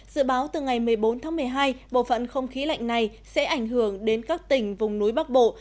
dự báo từ ngày một mươi bốn tháng một mươi hai bộ phận không khí lạnh này sẽ ảnh hưởng đến các tỉnh vùng núi bắc bộ